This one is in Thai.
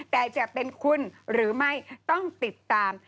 แต่จะเป็นคุณหรือไม่ต้องติดตาม